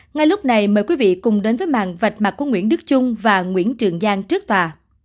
ngay lúc này mời quý vị cùng đến với màn vạch mặt của nguyễn đức trung và nguyễn trường giang trước tòa